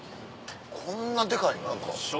こんなデカいの？